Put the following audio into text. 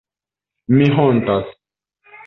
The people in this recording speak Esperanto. Mi hontas.